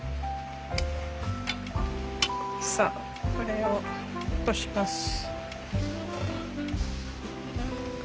さあこれをこします。